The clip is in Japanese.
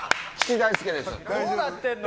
どうなってんの。